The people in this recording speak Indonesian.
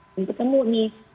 kita ketemu ini